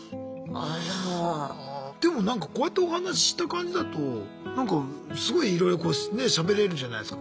でもこうやってお話しした感じだとなんかすごいいろいろこうしゃべれるじゃないすか。